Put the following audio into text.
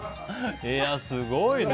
いやー、すごいね！